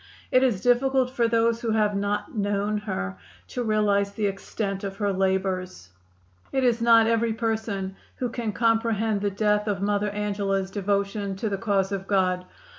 It is difficult for those who have not known her to realize the extent of her labors. It is not every person who can comprehend the depth of Mother Angela's devotion to the cause of God.